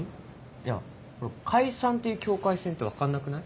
いやほら解散っていう境界線って分かんなくない？